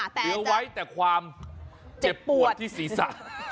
เหลือไว้แต่ความเจ็บปวดที่ศีรษะ